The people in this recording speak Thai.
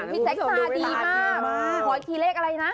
พี่เจคสาดีมากขออีกทีเลขอะไรนะ